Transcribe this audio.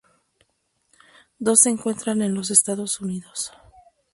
Dos se encuentran en los Estados Unidos.